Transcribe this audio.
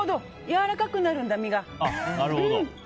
やわらかくなるんだ、身が。